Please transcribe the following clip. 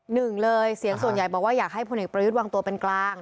หนึ่งเลยเสียงส่วนใหญ่บอกว่าอยากให้พลเอกประยุทธ์วางตัวเป็นกลาง